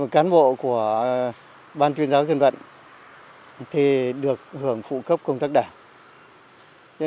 cán bộ của ban tuyên giáo dân vận thì được hưởng phụ cấp công tác đảng